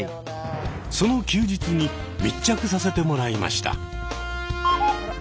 その休日に密着させてもらいました。